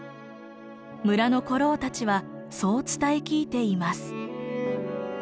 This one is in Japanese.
村の古老たちはそう伝え聞いています。